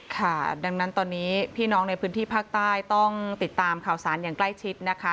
ค่ะดังนั้นตอนนี้พี่น้องในพื้นที่ภาคใต้ต้องติดตามข่าวสารอย่างใกล้ชิดนะคะ